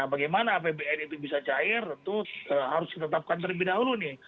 jadi bisa cair itu harus ditetapkan terlebih dahulu nih